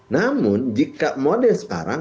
namun jika model sekarang